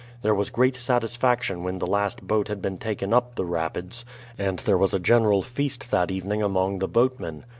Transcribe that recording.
There was great satisfaction when the last boat had been taken up the rapids, and there was a general feast that evening among the boatmen.